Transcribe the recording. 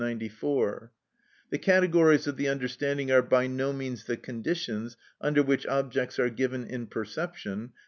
94); the categories of the understanding are by no means the conditions under which objects are given in perception (p.